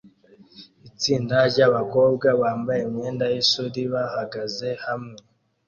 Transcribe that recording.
Itsinda ryabakobwa bambaye imyenda yishuri bahagaze hamwe